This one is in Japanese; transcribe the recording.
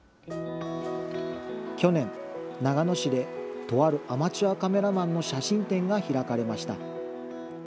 去年、長野市でとあるアマチュアカメラマンの写真展が開かれました。